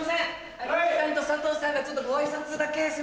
有吉さんと佐藤さんがちょっとご挨拶だけすいません！